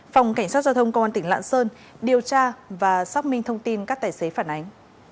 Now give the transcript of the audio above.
phòng cảnh sát giao thông công an tỉnh lạng sơn điều tra và xác minh thông tin các tài xế phản ánh